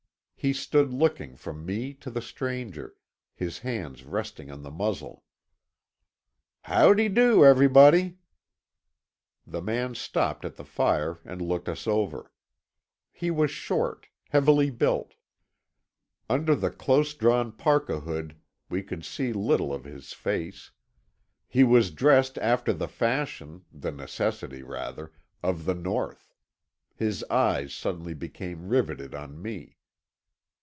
He stood looking from me to the stranger, his hands resting on the muzzle. "How de do, everybody." The man stopped at the fire and looked us over. He was short, heavily built. Under the close drawn parka hood we could see little of his face. He was dressed after the fashion, the necessity rather, of the North. His eyes suddenly became riveted on me.